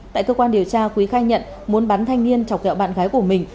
tại cơ quan điều tra quý khai nhận muốn bắn thanh niên chọc kẹo bạn gái của mình